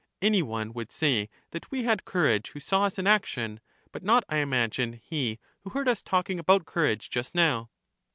Any one would say that we had courage who saw us in action, but not, I imagine, he who heard us talking about coiu*age just now.